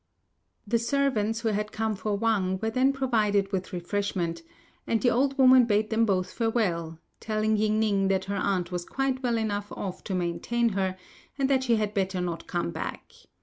The servants who had come for Wang were then provided with refreshment, and the old woman bade them both farewell, telling Ying ning that her aunt was quite well enough off to maintain her, and that she had better not come back.